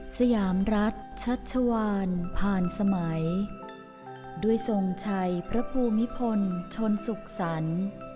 สยามรัฐชัชวานผ่านสมัยด้วยทรงชัยพระภูมิพลชนสุขสรรค์